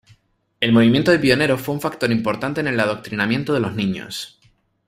El Movimiento de Pioneros fue un factor importante en el adoctrinamiento de los niños.